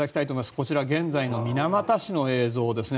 こちらは現在の水俣市の映像ですね。